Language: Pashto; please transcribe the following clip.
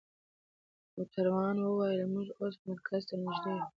موټروان وویل: موږ اوس مرکز ته نژدې یو.